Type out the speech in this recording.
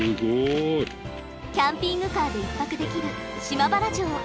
キャンピングカーで１泊できる島原城。